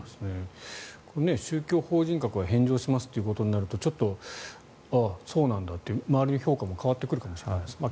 宗教法人格は返上しますとなるとちょっとああ、そうなんだという周りの評価も変わってくるかもしれないですけど。